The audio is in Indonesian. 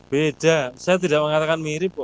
beda saya tidak mengatakan mirip kok